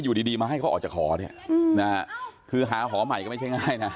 อยู่ดีมาให้เขาออกจากหอเนี่ยนะฮะคือหาหอใหม่ก็ไม่ใช่ง่ายนะ